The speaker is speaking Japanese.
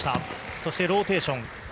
そしてローテーション。